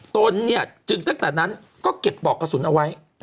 ตนเนี่ยจึงตั้งแต่นั้นก็เก็บปอกกระสุนเอาไว้